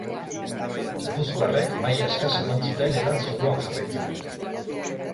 Gipuzkoarrek maila eskasa eman zuten eta zuloan jarraitzen dute.